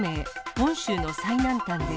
本州の最南端で。